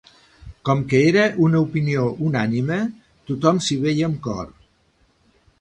Com que era una opinió unànime, tothom s'hi veia amb cor.